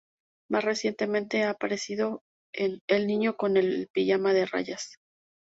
Más recientemente ha aparecido en "El niño con el pijama de rayas".